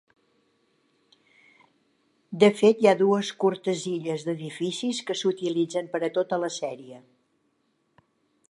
De fet hi ha dues curtes illes d'edificis que s'utilitzen per a tota la sèrie.